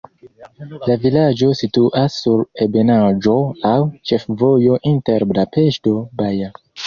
La vilaĝo situas sur ebenaĵo, laŭ ĉefvojo inter Budapeŝto-Baja.